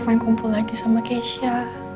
main kumpul lagi sama keisha